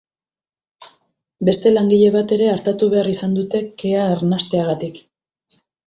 Beste langile bat ere artatu behar izan dute, kea arnasteagatik.